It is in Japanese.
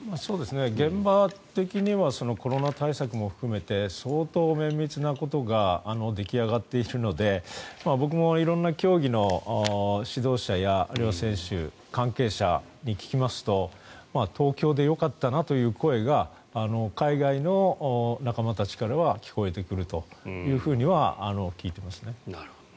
現場的にはコロナ対策も含めて相当綿密なことが出来上がっているので僕も色々な競技の指導者やあるいは選手、関係者に聞きますと東京でよかったなという声が海外の仲間たちからは聞こえてくるというふうには聞いていますね。